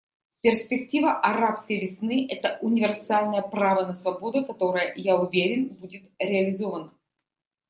Перспектива «арабской весны» — это универсальное право на свободу, которое, я уверен, будет реализовано.